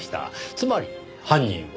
つまり犯人は。